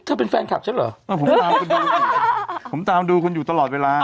เธอเป็นแฟนคลับฉันเหรอผมตามดูคุณอยู่ตลอดเวลา